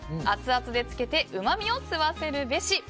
熱々で漬けてうま味を吸わせるべし。